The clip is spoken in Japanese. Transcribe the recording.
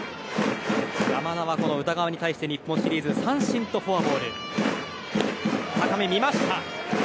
山田は、宇田川に対して日本シリーズ三振とフォアボール。